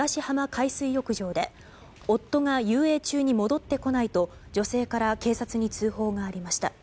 海水浴場で夫が遊泳中に戻ってこないと女性から警察に通報がありました。